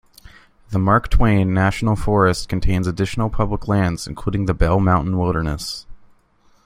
The Mark Twain National Forest contains additional public lands, including the Bell Mountain Wilderness.